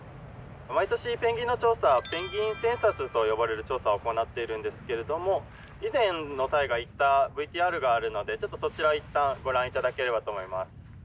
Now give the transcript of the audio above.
毎年ペンギンの調査はペンギンセンサスと呼ばれる調査を行っているんですけれども以前の隊が行ったＶＴＲがあるのでちょっとそちらいったんご覧頂ければと思います。